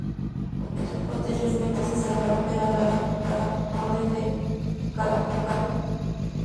Posteriormente se separó quedando vinculada a la Orden de Calatrava.